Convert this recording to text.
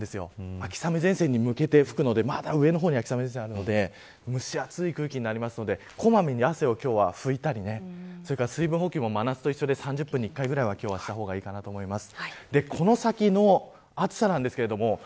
秋雨前線に向けて吹くのでまだ上の方に秋雨前線があるので蒸し暑い空気になるので小まめに今日は汗を拭いたり水分補給も真夏と一緒で３０分に１回くらいはした方がいいと思います。